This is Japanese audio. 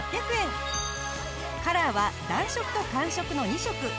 カラーは暖色と寒色の２色。